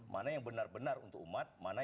mana yang benar benar untuk umat mana